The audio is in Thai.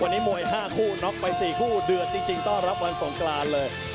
วันนี้มวย๕คู่น็อกไป๔คู่เดือดจริงต้อนรับวันสงกรานเลย